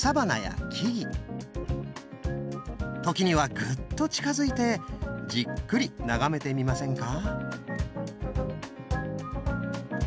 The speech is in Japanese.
時にはグッと近づいてじっくり眺めてみませんか。